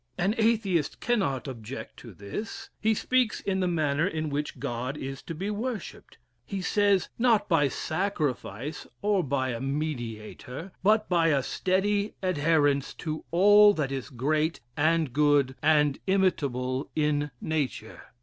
An Atheist cannot object to this. He speaks in the manner in which God is to be worshipped. He says, not by sacrifice, or by a Mediator, but by a steady adherence to all that is great and good and imitable in nature.